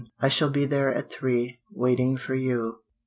I shall be there at three, waiting for you."